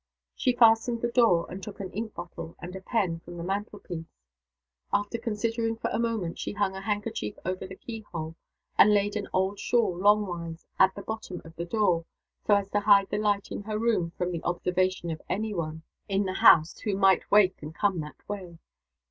She fastened the door, and took an ink bottle and a pen from the mantle piece. After considering for a moment, she hung a handkerchief over the keyhole, and laid an old shawl longwise at the bottom of the door, so as to hide the light in her room from the observation of any one in the house who might wake and come that way.